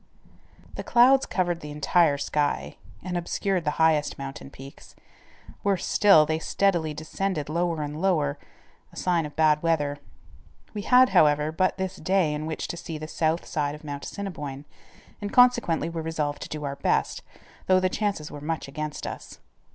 The clouds covered the entire sky and obscured the highest mountain peaks. Worse still, they steadily descended lower and lower, a sign of bad weather. We had, however, but this day in which to see the south side of Mount Assiniboine, and consequently were resolved to do our best, though the chances were much against us.